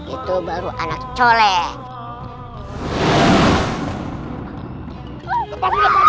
itu baru anak colek